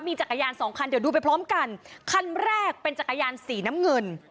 จักรยานสองคันเดี๋ยวดูไปพร้อมกันคันแรกเป็นจักรยานสีน้ำเงิน